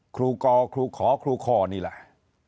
ครูกอครูขอครูคอนี่แหละ